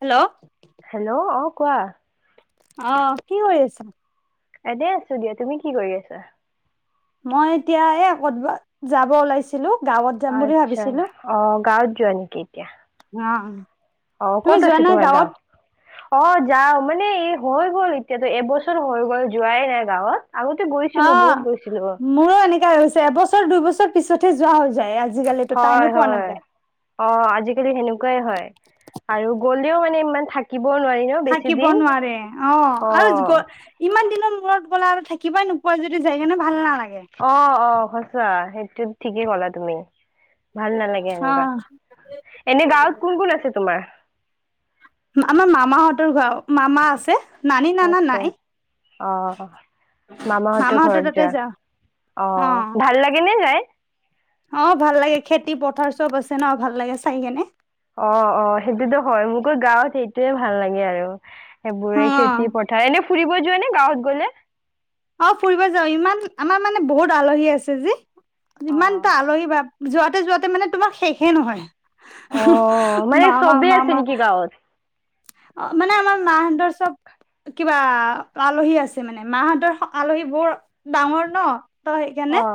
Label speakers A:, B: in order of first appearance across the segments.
A: Hello.
B: Hello, অ', কোৱা।
A: অ', কি কৰি আছ?
B: এনে আছো দিয়া, তুমি কি কৰি আছা?
A: মই এতিয়া এই আত যাব ওলাইছো ছিলো [unintelligible] গাঁৱত যাম বুলি
B: আচ্ছা
A: ভাবিছিলো।
B: অ', গাঁৱত যোৱা নেকি এতিয়া?
A: অ।
B: অ',
A: তুমি
B: ক'ত
A: যোৱা
B: আছে
A: নাই
B: তোমাৰ
A: গাঁৱত?
B: গাঁও? অ', যাওঁ মানে এই হৈ গ'ল এতিয়াতো এবছৰ হৈ গ'ল যোৱাই নাই গাঁৱত। আগতে
A: অ
B: গৈছিলো বহুত গৈছিলো।
A: মোৰো এনেকা হৈছে এবছৰ দুইবছৰ পিছতহে যোৱা হৈ যায় আজি
B: হয় হয়। অ', আজিকালি সেনেকুৱাই হয়, আৰু গ'লেও মানে ইমান থাকিবও নোৱাৰি ন বেছি
A: থাকিব
B: দিন
A: নোৱাৰে অ', আৰু গ ইমান দিনৰ মূৰত গ'লে আৰু থাকিবই নোপোৱাই যদি যায় কেনে ভাল নালাগে।
B: অ', অ' সঁচা, সেইটো ঠিকেই ক'লা তুমি। ভাল নালাগে
A: অ।
B: এনেকুৱা। এনে গাঁৱত কোন কোন আছে তোমাৰ?
A: আমাৰ মামাহঁতৰ ঘৰ, মামা আছে। নানি নানা
B: আচ্ছা
A: নাই।
B: অ মামাহঁতৰ
A: মামাহত
B: ঘৰত
A: তাতে
B: যোৱা
A: যাওঁ।
B: অ' ভাল লাগেনে যাই?
A: অ' ভাল লাগে, খেতি পথাৰ চব আছে ন' ভাল লাগে চাই কেনে।
B: অ', অ' সেইটোতো হয়, মোকো গাঁৱত সেইটোৱে ভাল লাগে আৰু সেইবোৰে
A: অ।
B: খেতি প এনে ফুৰিব যোৱানে গাঁৱত গ'লে?
A: অ' ফুৰিব যাও ইমান, আমাৰ মানে বহুত আলহী আছে যি, ইমানটো আলহী বা যোৱাতে যোৱাতে মানে তোমাৰ শেষে
B: অ
A: নহয়।
B: মানে
A: মামা
B: চবেই আছে
A: মামা
B: নেকি গাঁৱত
A: অ' মানে আমাৰ মাহঁতৰ চব কিবা আলহী আছে মানে, মাহঁতৰ আলহী বৰ ডাঙৰ ন'। ত'
B: অ
A: সেইকৰণে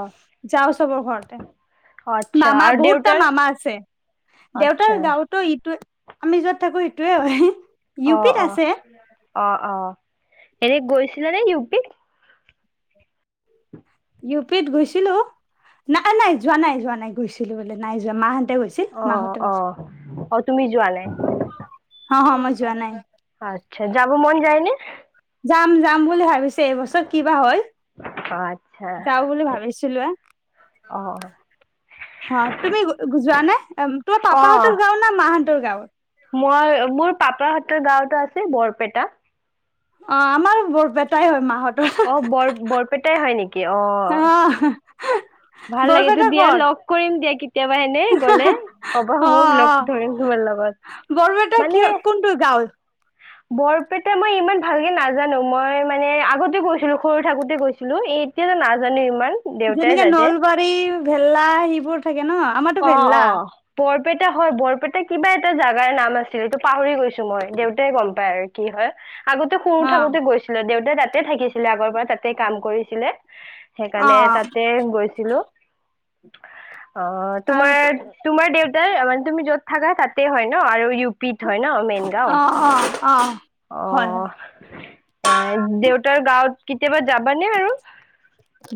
A: যাওঁ চবৰ ঘৰতে।
B: আচ্ছা
A: মামা
B: আৰু
A: বহুতটা
B: দেউতাৰ
A: মামা আছে। দেউতাৰ
B: আচ্ছা
A: গাঁৱত ত' ইটোৱে, আমি য'ত থাকো ইটোয়ে হয়। ইউ পিত
B: অ', অ',
A: আছে
B: অ', অ' এনে গৈছিলানে ইউ পিক?
A: ইউ পিত গৈছিলোঁ, নাই নাই যোৱা নাই যোৱা নাই, গৈছিলোঁ বোলে নাই যোৱা, মাহঁতে গৈছিলে।
B: অ', অ', অ' তুমি যোৱা নাই।
A: অ' হ মই যোৱা নাই।
B: আচ্ছা, যাব মন যায়নে?
A: যাম যাম বুলি ভাবিছোঁ। এইবছৰ কিবা হয়,
B: অ আচ্ছা
A: যাও বুলি ভাবিছিলোঁৱে।
B: অ
A: অ' তুমি যোৱা নে, তোমাৰ
B: অ
A: পাপাহতৰ গাওঁ না মাহঁতৰ গাঁৱত?
B: মই মোৰ পাপাহঁতৰ গাঁওতো আছে বৰপেটা।
A: অ' আমাৰ বৰপেটাই হয় মাহত।
B: অ' বৰ বৰপেটাই হয় নেকি অ'।
A: [unintelligible]
B: ভাল লাগে তো
A: বৰপেটা
B: দিয়া
A: ক'ত
B: লগ কৰিম দিয়া কেতিয়াবা এনে গ'লে, কবা মোক লগ ধৰিম তোমাৰ লগত।
A: বৰবেটা
B: মানে
A: কি কোনটো গাঁৱত?
B: বৰপেটা মই ইমান ভালকে নাজানো, মই মানে আগতে গৈছিলোঁ সৰু থাকোতে গৈছিলোঁ, এই তেতিয়া নাজানো ইমান। দেউতাই
A: যেনেকে
B: যাতে
A: নলবাৰী ভেলা সেইবোৰ থাকে ন'? আমাৰতো
B: অ',
A: ভেল্লা
B: অ'। বৰপেটা হয় বৰপেটা কিবা এটা জাগাৰ নাম আছিল ত' পাহৰি গৈছোঁ মই, দেউতাই গম পাই আৰু কি হয়। আগতে সৰু
A: অ
B: থাকোতে গৈছিলোঁ, দেউতাই তাতে থাকিছিলে আগৰপৰা তাতে কাম কৰিছিলে।
A: অ
B: সেইকাৰণে তাতে গৈছিলোঁ। অ'
A: আৰু
B: তোমাৰ তোমাৰ দেউতাৰ মানে তুমি য'ত থাকা তাতে হয় ন' আৰু ইউ পিত হয় ন' মেইন? গাওঁ,
A: অ অ অ হয় হয়
B: অ'। এ, দেউতাৰ গাঁৱত কেতিয়াবা যাবানে আৰু?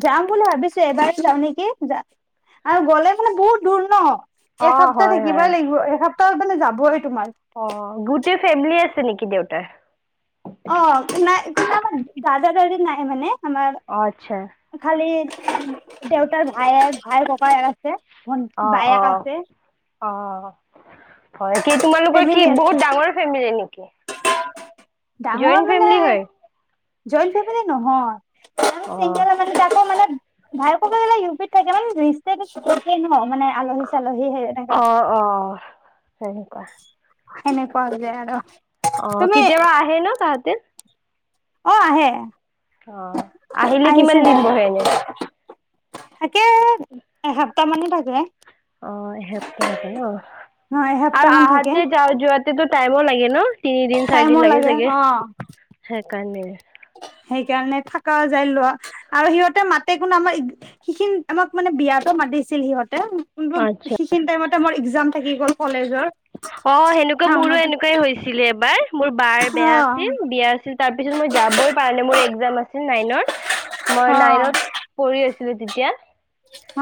A: যাম বুলি ভাবিছোঁ, এবাৰ যাওঁ নেকি আৰু গ'লে মানে বহুত দূৰ ন'।
B: অ
A: এসপ্তাহ
B: হয় হয়
A: থাকিবই লাগিব, এসপ্তাহত মানে যাবই তোমাৰ।
B: অ' গোটেই ফেমিলিয়ে আছে নেকি দেউতাৰ?
A: অ' নাই কা আমাৰ দাদা দাদি নাই মানে, আমাৰ
B: অ' আচ্ছা।
A: খালি দেউতাৰ ভাই ভাইৰ ককাই আছে। ভন্টি
B: অ',
A: বায়েক
B: অ',
A: আছে
B: অ'। হয়, কি তোমালোকৰ কি
A: ফেমিলি আছে
B: বহুত ডাঙৰ ফেমিলি নেকি?
A: ডাঙৰ
B: জইণ্ট
A: মানে
B: ফেমিলি হয়
A: জইন ফেমিলি নহয়, তাৰমানে
B: অ
A: চিংগেল তাকো মানে ভায়েক ইউপিত থাকে মানে ন' মানে আলহী চালহী হেনেকা।
B: অ অ সেনেকুৱা।
A: এনেকুৱা যে আৰু।
B: অ',
A: তুমি
B: কেতিয়া ব আহ ন তাহতে।
A: অ', আহে।
B: অ', আহিলে কিমান
A: আহিছিলে
B: দিন বহে এনে?
A: থাকে।
B: উম।
A: এসাপ্তাহ মানে থাকে।
B: অ', এসপ্তাহ থাকে ন
A: অ
B: আৰু
A: এসপ্তাহ মান থাকে
B: আহাতে যা যোৱাতেতো টাইমো লাগে ন? তিনিদিন,
A: টাইমো
B: চাৰিদিন লাগে চাগে
A: অ
B: সেইকাৰণে।
A: সেইকাৰণে থাকাও যায় লোৱা আৰু সিহঁতে মাতে কোনো আমা সিখিনি আমাক মানে বিয়াটো মাতিছিল সিহঁতে। কিন্তু
B: আচ্ছা
A: সেইখিনি টাইমতে মোৰ এক্জাম থাকি গ'ল কলেজৰ।
B: অ', সেনেকুৱা মোৰো
A: সময়ত
B: এনেকুৱাই হৈছিলে এবাৰ। মোৰ বাৰ
A: অ
B: বেয়া আছিল বিয়া আছিল তাৰ পিছত মই যাবই পাৰা নাই মোৰ এক্জাম আছিল নাইনৰ। মই নাইনত
A: অ
B: পঢ়ি আছিলোঁ তেতিয়া।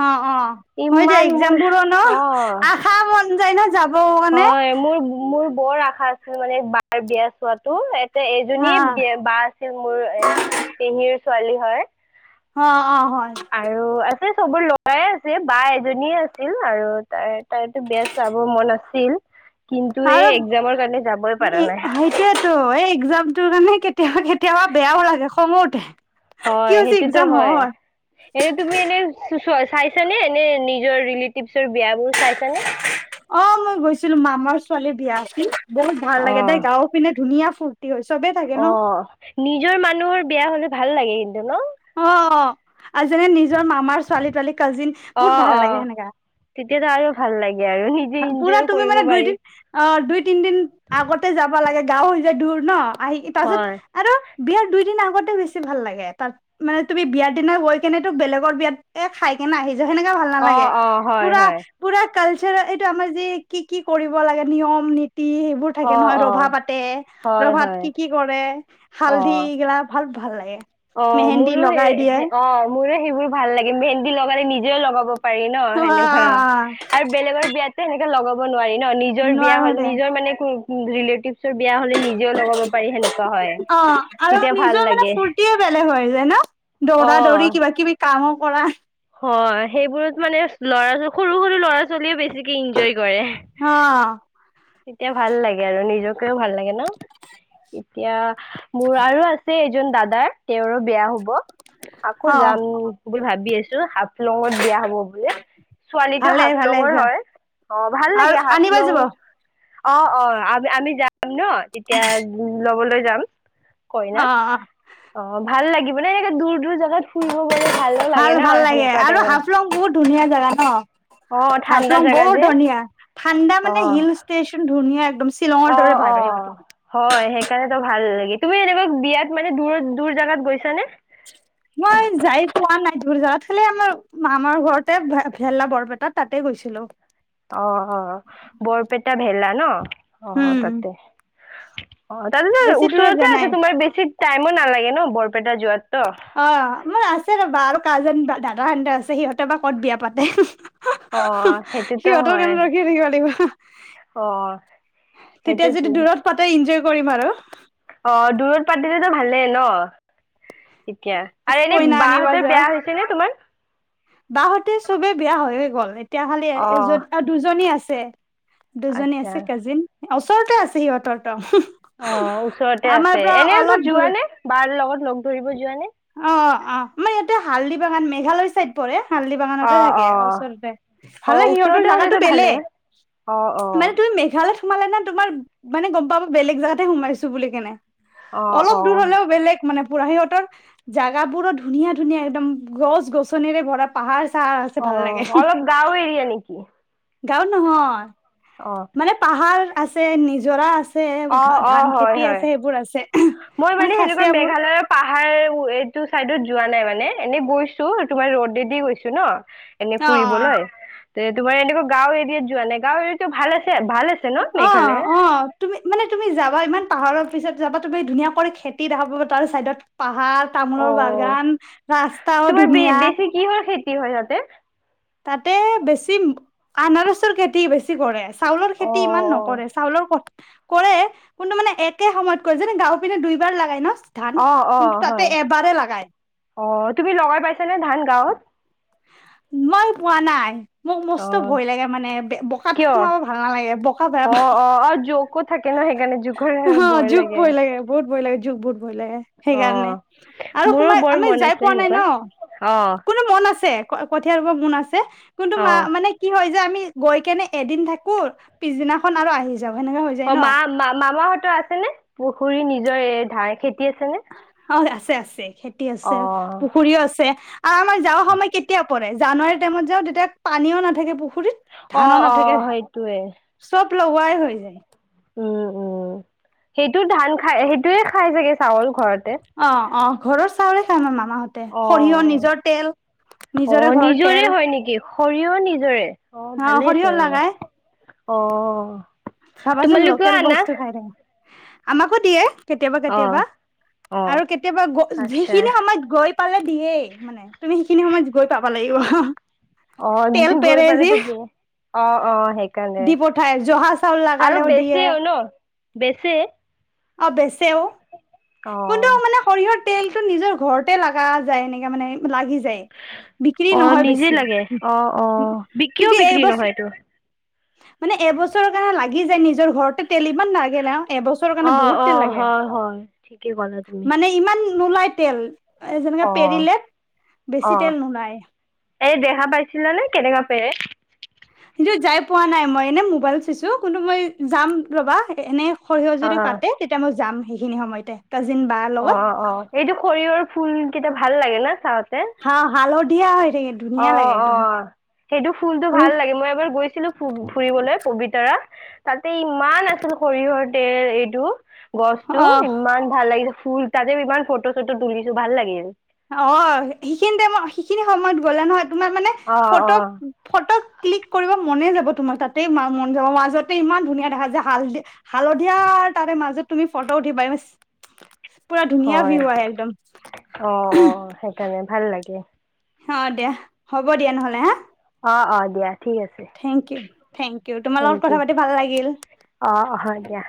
A: অ', অ'হয় দে
B: ইমান
A: এক্জাম
B: মোৰ
A: বোৰ ন
B: অ
A: আশা মন যায় ন যাব। কাৰণে
B: হয়, মোৰ মোৰ বৰ আশা আছিল মানে বাৰ বিয়া চোৱাতো। এ
A: হা
B: এজনী বা আছিল মোৰ এ পেহীৰ ছোৱালী হয়।
A: অ', অ' হয়।
B: আৰু আছে চবোৰ ল'ৰাই আছে বা এজনীয়ে আছিল আৰু তাৰ তাইো বেষ্ট চাব মন আছিল কিন্তু এই একজামৰ কাৰণে যাবই পাৰা নাই।
A: সেইয়েতো এই একজামটোৰ কাৰণে কেতিয়াবা, কেতিয়াবা বেয়াও লাগে খঙো উঠে। কি
B: হয়,
A: হৈছে
B: সেইটোতো
A: এক্জাম
B: হয়। এ তুমি এনে চাইছানে এনে নিজৰ ৰিলেটিভচৰ বিয়াবোৰ চাইছানে।
A: অ', মই গৈছিলোঁ মামাৰ ছোৱালী বিয়া আছিল বহুত ভাল
B: অ
A: লাগে দেই গাঁওত। পিনে ধুনীয়া ফুুল। হয় চবেই থাকে। ন
B: অ', নিজৰ মানুহৰ বেয়া হ'লে ভাল লাগে কিন্তু ন।
A: অ', অ' আৰু যোননে নিজৰ মামাৰ ছোৱালী তোৱালী কাজিন
B: অ
A: বহুত ভাল
B: অ
A: লাগে সেনেকা।
B: তেতিয়াতো আৰু ভাল লাগে আৰু।
A: পুৰা
B: ইনজয়ো
A: তুমি
B: কৰিব
A: মানে দুই
B: পাৰি
A: দিন। অ', দুই তিনিদিন আগতে যাবা লাগে গাও হৈ যায় দূৰ ন আহি তাৰ পিছত।
B: হয়
A: আৰু বিয়াৰ দুই দিন আগতে বেছি ভাল লাগে তাত। মানে তুমি বিয়াৰ দিনা গৈ কেনে তোক বেলেগৰ বিয়াত এ খাই কেনে আহি। সেনেকা ভাল
B: অ
A: নালাগে
B: অ হয়
A: পুৰা।
B: হয়
A: পুৰা কালচাৰ এইটো আমাৰ যে কি কি কৰিব লাগে নিয়ম নীতি সেইবোৰম
B: অ
A: থাকে নহয়
B: অ
A: ৰভা পাতে
B: হয়
A: ৰভাত
B: হয়
A: কি, কি। কৰে
B: অ
A: হালধি এইগিলা ভাল, ভাল লাগে।
B: অ',
A: মেহেন্দি
B: মোৰো
A: লগাই দিয়ে
B: সেই অ', মোৰো সেইবোৰ ভাল লাগে মেহেনন্দি লগালে নিজেও লগাব। পাৰি ন
A: অ অ
B: সেনেকোৱা।
A: অ
B: আৰু বেলেগৰ বিয়াত সেনেকে লগাব নোৱাৰি ন নিজৰ বিয়া
A: নোৱাৰো
B: হ'ল
A: দে
B: নিজৰ মানে ৰিলেটিভ। ৰ বিয়া হলে নিজেও লগাব পাৰি সেনেকুৱা হয়
A: অ আৰু
B: তেতিয়া
A: নিজৰ
B: ভাল
A: মানে
B: লাগে।
A: ফূৰ্তিয়ে বেলেগ হৈ যায় ন
B: অ
A: দৌৰা দৌৰি কিবা কিবি কামো কৰা।
B: হয়, সেইবোৰত মানে ল'ৰা সৰু, সৰু ল'ৰা ছোৱালীয়ে বেছিকে এনজয় কৰে।
A: অ'।
B: এতিয়া ভাল লাগে আৰু নিজকেও ভাল লাগে ন, এতিয়া মোৰ আৰু আছে। এজন দাদাৰ তেওঁৰো বেয়া হব আকৌ
A: অ
B: যাম। বুলি ভাবি আছোঁ হাফলঙত বিয়া হব বোলে। ছোৱালী টো
A: ভালে ভালে
B: হাফলঙৰ
A: যোৱা
B: হয় অ', ভাল
A: আৰু
B: লাগে
A: আনিবা যাব
B: হাফলং।
A: অ
B: অ, অ, আমি আমি যাম ন তেতিয়া লবলৈ যাম। কইনা
A: অ
B: অ ভাল লাগিব নে এনেে দূৰ দূৰ জোগাত ফুৰিব গলে ভালো লাগে
A: ভাল
B: ন
A: ভাল লাগে
B: সেনেকুৱা
A: আৰু
B: টাইমত
A: হাফলং বহুত ধুনীয়া জেগা ন।
B: অ' ঠাণ্ডা
A: তাপৰা
B: জেগা
A: বহুত
B: যে
A: ধুনিয়ীয়া ঠাণ্ডা মানে
B: অ'
A: হিল ষ্টেশচন ধুনীয়া একদম শ্বিলঙৰ দৰে
B: অ'
A: ভাগ আহিব
B: অ'
A: তোমাৰ।
B: হয় সেইকাৰণে তো ভাল লাগি তুমি এনেকুৱা বিয়াত মানে দূ দূৰ জাগাত গৈছা নে?
A: মই যাই পোৱা নাই বোৰ যাত খালি আমাৰ মামাৰ ঘৰতে ভেলা বৰপেটাত। তাতে গৈছিলো।
B: অ, অ, বৰপেটাটা ভেলা ন? অ,
A: উম
B: তাতে। অ, তাতেো
A: বেছি দূৰত যোৱা
B: ওচৰতে
A: নাই
B: আছে তোমাৰ বেছি টাইমো নালাগে ন বৰপেটা যোৱাত তো?
A: অ, মোৰ আছে ৰ'বা আৰু কাজেন বা দাদাহেহত আছে সিহঁতেৰ বা ক'ত বিয়া পাতে।
B: অ সেইটোতো
A: সিহঁতও
B: হয়
A: [inaudible] লাগিব
B: অ
A: তেতিয়া
B: সেইটোতো
A: যদি দূৰত পাতে এনজয় কৰিম আৰু।
B: অ, দূৰত পাতিলেতো ভালেই ন? এতিয়া আৰু এনেই বাহঁতৰ বিয়া হৈছে নে তোমাৰ?
A: বাহতে চবেই বিয়া হৈয়ে গ'ল এতিয়া খালি
B: অ
A: এজন আৰু দুজনী আছে। দুজনী
B: আচ্ছা
A: আছে কাজিন ওচৰতে আছে সিহঁতৰ ত।
B: অ, ওচৰতে আছে এনে ত
A: দূৰ
B: যোৱা নে বাৰ লগত লগ ধৰিব যোৱা নে?
A: অ, অ, মই ইয়াতে হালদি বাগান মেঘালয় চাইদ পৰে হালদি বাগানতে
B: অ
A: থাকে
B: অ
A: ওচৰতে
B: অ
A: ভালে
B: ওচৰতে
A: সিহঁতৰ
B: হলেতো
A: জোগাতো
B: ভালে
A: বেলেগ।
B: অ অ
A: মানে তুমি মেঘালয়ত সোমালা নে তোমাৰ মানে গম পাব বেলেগ জাগগাতেে সোমাইছোঁ বুলি কেনে।
B: অ
A: অলপ
B: অ
A: দূৰ হলেও বেলেগ মানে পুৰা সিহঁতৰ জাগাবোৰো ধুনীয়া ধুনীয়া একদম গছ গছনিৰে ভৰা পাহাৰ চাহাৰ আছে
B: অ
A: ভাল লাগে।
B: অলপ গাঁও এৰিয়া নেকি
A: গাঁও নহয়
B: অ
A: মানে পাহাৰ আছে নিজৰা আছে।
B: অ
A: আ
B: অ
A: ধান
B: হয়
A: খেতি আছে
B: হয়
A: সেইবোৰ আছে
B: মই
A: মানে
B: সেনেকুৱা
A: খাচিয় বোৰ।
B: মেঘালয়ৰ পাহাৰ এইটো চাইডত যোৱা নাই মানে এনেই গৈছো তোমাৰ ৰ'দেদি গৈছোঁ ন। এনেই
A: অ
B: ফুৰিব নহয় তে তোমাৰ এনেকুৱা গাঁও এৰিয়াত যোৱা নাই গাঁও এৰিয়াাতো ভাল আছে। ভাল আছে ন
A: অ
B: মেঘালয়?
A: অ তুমি মানে তুমি যাবা ইমান পাহাৰৰ পিছত যাবা তুমি ধুনীয়াাকৈ খেতি দেখাব তাৰ চাইডত পাহাৰ
B: অ
A: তামোলৰ বাগান ৰাস্তাও ধুনীয়া।
B: কি হৰ খেতি হয় ততে?
A: তাতে বেছি আনাৰসৰ খেতি বেছি কৰে আছে। চাউলৰ
B: অ
A: খেতি ইমান নকৰে চাউলৰ ক কৰে কোনটো মানে একে সময়ত ক যে গাও পিনে দুইবাৰ লাই ন ধান
B: অ অ
A: কোনটো
B: হয়
A: তাতে এবাৰেই লাগায়।
B: অ, তুমি লগাই পাইছা নে ধান গাঁৱত?
A: মই পোৱা নাই। মোক
B: অ
A: মস্ত ভয় লাগে মানে বোকাত
B: কিয়
A: সোমাব
B: অ
A: ভাল নালাগে বোকা বেয়া
B: [inaudible] [inaudible] থাকে ন সেইকাৰণে জোখৰে বয়
A: ভ
B: লাগে।
A: লাগে বহুত ভয় [inaudible]
B: অ
A: সেইকাৰণে আৰু
B: মোৰো
A: সোমাই
B: বৰ
A: আমি
B: মন
A: যাই
B: আছে
A: পোৱা নাই ন
B: সেনেকুৱা অ
A: কোনো মন আছে কঠীয়া ৰুব মন আছে কিন্তু মা
B: অ
A: মানে কি হয় যে আমি গৈ কেনে এদিন থাকো পিছদিনাখন আৰু আহি যাওঁ সেনেকা হৈ [inaudible]
B: অ, মা মা-মামাহঁতৰ আছে নে? পুখুৰী নিজৰ ধান খেতি আছে নে?
A: অ আছে আছে খেতি আছে পুখুৰীও আছে আৰু আমাৰ যাৱ সময় কেতিয়া ৰে জানুৱাৰী টাইমত যাওঁ তেতিয়া পানীও নাথাকে পুখুৰীত।
B: অ
A: ধানো
B: অ
A: নাথাকে
B: সেইটোৱে
A: চব লগোৱাই হৈ যায়।
B: উম, উম, সেইটো ধান খাই, সেইটোয়ে খাই চাগে চাউল ঘৰতে
A: অ', অ', ঘৰৰ চাউৰে খা ন মামাহঁত
B: অ
A: সৰিয়হ, নিজৰ তেল নিজৰে ঘৰ তেল
B: সৰিয় নিজৰে, অ', ভালেই চ অ
A: চাবাচোন
B: তোমালোকেও
A: লোকেল
B: আনা
A: বস্তু খাই, থে আমাকো দিয়ে কেতিয়াবা,
B: অ
A: কেতিয়াবা,
B: অ
A: আৰু কেতিয়াবা, গ
B: আচ্ছা
A: যিখিনি সময়ত গৈ পালে দিয়েই মানে, তুমি সেইখিনি সময়ত গৈ পাবা লাগিব তেল
B: অ', গৈ
A: পেৰে
B: পাল
A: যি
B: তাক অ', অ', সেইকাৰণে,
A: দি পঠাই জহা চাউল
B: আৰু
A: লাগালেও দিয়ে
B: বেছিও ন বেছি
A: অ', বেচে অ',
B: অ
A: কোনটো মানে সৰিয়হৰ তেলতো, নিজৰ ঘৰতে লগা যায় এনেকাে মানে লাগি যায় বিক্ৰী
B: অ
A: নহয়
B: নিজে
A: বেছি,
B: লাগে অ অ
A: কি
B: বিকিও বিক্ৰী নহয়
A: এইবছৰ
B: এইটো
A: মানে, এবছৰৰ কাৰণে লাগি যায়, নিজৰ ঘৰতে তেল ইমান নাগে আৰু এবছৰ
B: অ', অ', হয়, হয়, ঠিকেই ক'লা তুমি
A: মানে ইমান নোলায় তেল, এ যেনেকে
B: অ
A: পেৰিলে বেছি তেল নোলায়
B: এ, দেহা পাইছিলা নে, কেনেককা পেৰে
A: কিন্তু, যাই পোৱা নাই মই, এনে মোবাইল চিছো কিন্তু মই যাম ৰবা এনে সৰিয়হ
B: অ
A: যদিও কাটে, তেতিয়া মই যাম সেইখিনি সময়তে কাজিন বা
B: অ', এইটো সৰিয়হৰ ফুল কেইটা ভাল লাগে না চাওঁতে
A: হা হালধিয়া হৈ থ
B: অ', সেইটো ফুলটো
A: উম,
B: ভাল লাগে মই এবাৰ গৈছিলো ফুৰিবলৈ পবিতাৰ তাতে, ইমান আছিল সৰিয়হৰ তেল এইটো গছটো
A: অ
B: ইমান ভাল লাগিছে, ফুল তাতে ইমান ফটো চটো তুলিছো, ভাল লাগিল
A: অ', সেইখিনি টাইম সেইখিনি সময়ত গ'লা নহয় তোমাৰ মানে
B: অ অ
A: ফটো ক্লিক কৰিব মনে যাব, তোমাৰ তাতে মন যাব, মাজতে ইমান ধুনীয়া দেখা যায় হাল দি হালধীয়া, তাৰে মাজত তুমি ফটো উঠিবা পুৰা ধুনীয়া
B: হয়
A: ভিউ আহে একদম
B: অ', অ', সেইকাৰণে ভাল লাগে
A: অ', দিয়া হ'ব দিয়া নহ'লে হা
B: অ ', অ', দিয়া ঠিক আছে
A: থেংক ইউ, থেংক ইউ, তোমাৰ লগত
B: থেংক ইউ
A: কথা পাতি ভাল লাগিল
B: অ অ দিয়া